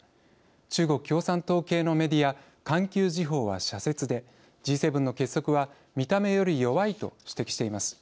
中国共産党系のメディア環球時報は、社説で「Ｇ７の結束は見た目より弱い」と指摘しています。